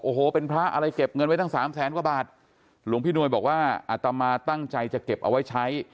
โอ้โหเป็นพระอะไรเก็บเงินไว้ตั้งสามแสนกว่าบาทหลวงพี่นวยบอกว่าอัตมาตั้งใจจะเก็บเอาไว้ใช้